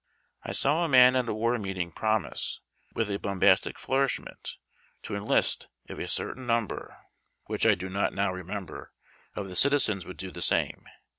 I saw a man at a war meeting promise, with a bombastic flourislunent. to enlist if a certain number (which ENLISTING. 41 I do not now remember) of the citizens Avould do the same.